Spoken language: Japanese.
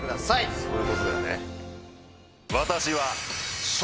そういうことだよね。